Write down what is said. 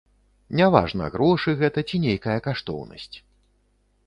Няважна, грошы гэта ці нейкая каштоўнасць.